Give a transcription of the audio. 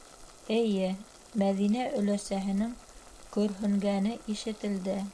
Эйе, - Мәҙинә өләсәһенең көрһөнгәне ишетелде.